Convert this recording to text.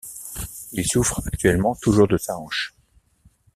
Il souffre actuellement toujours de sa hanche.